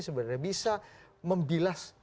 sebenarnya bisa membilas